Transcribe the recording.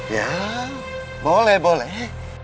ya boleh boleh